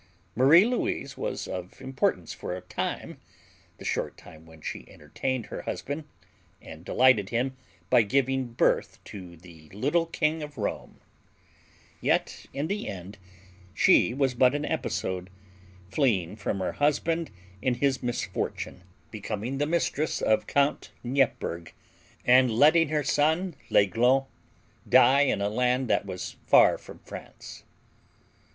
Marie Louise was of importance for a time the short time when she entertained her husband and delighted him by giving birth to the little King of Rome. Yet in the end she was but an episode; fleeing from her husband in his misfortune, becoming the mistress of Count Neipperg, and letting her son l'Aiglon die in a land that was far from France.